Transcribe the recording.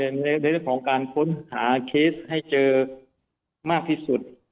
ในเรื่องของการค้นหาเคสให้เจอมากที่สุด